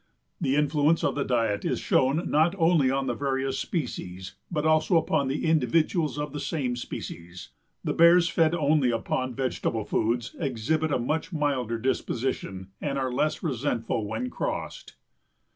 The influence of the diet is shown not only on the various species but also upon the individuals of the same species. The Bears fed only upon vegetable foods exhibit a much milder disposition and are less resentful when crossed.